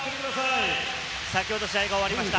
先ほど試合が終わりました。